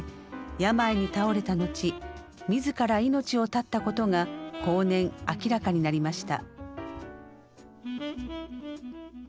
病に倒れた後自ら命を絶ったことが後年明らかになりました。